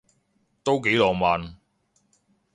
都幾浪漫